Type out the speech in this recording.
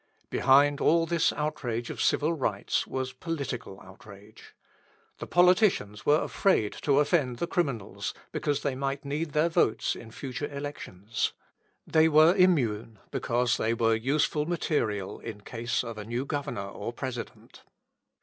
Behind all this outrage of civil rights was political outrage. The politicians were afraid to offend the criminals, because they might need their votes in future elections. They were immune, because they were useful material in case of a new governor or President.